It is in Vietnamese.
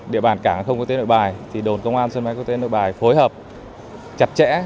địa bàn cảng không có tên nội bài thì đồn công an sân bay có tên nội bài phối hợp chặt chẽ